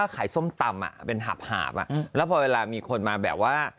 ส้มตำเป็นหาบแล้วพอเวลามีคนมาแบบว่า